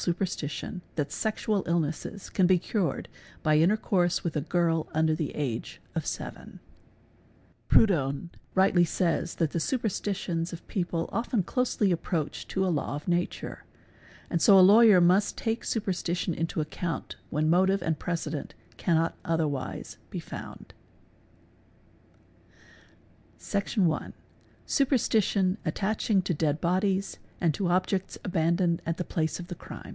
superstition that sexual illnesses can be cured by intercourse with a girl _ under the age of seven 69), Proudhon rightly says that the superstitions of people often closely approach to a law of nature; and so a lawyer must take superstition into account when motive and precedent cannot otherwise be found ©, Section i.—Superstition attaching to dead bodies and to objects abandoned at the place of the crime.